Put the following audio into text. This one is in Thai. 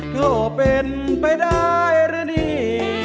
ก็เป็นไปได้หรือนี่